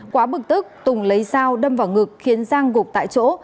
quá bực tức tùng lấy dao đâm vào ngực khiến giang gục tại chỗ